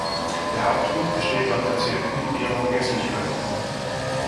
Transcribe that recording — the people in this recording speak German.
Der Hauptgrund besteht laut Patienten in ihrer Vergesslichkeit.